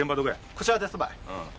こちらですばい。